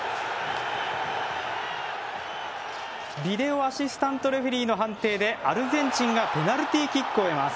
ビデオ・アシスタント・レフェリーの判定でアルゼンチンがペナルティーキックを得ます。